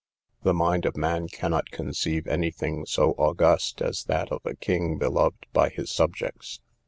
The mind of man cannot conceive any thing so august, as that of a king beloved by his subjects.